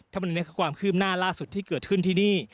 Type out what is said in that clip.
ถ้าวันนี้คือความคืบหน้าล่าสุดที่เกิดขึ้นที่นี่